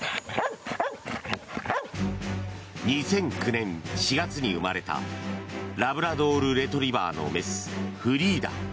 ２００９年４月に生まれたラブラドルレトリバーの雌フリーダ。